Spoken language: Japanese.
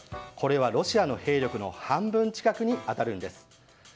これはロシアの兵力の半分近くに当たるんです。